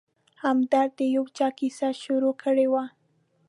همدرد د یو چا کیسه شروع کړې وه.